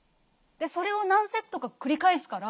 それを何セットか繰り返すから